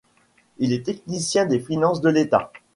Il est technicien des finances de l'État.